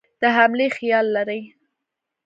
د حملې خیال لري.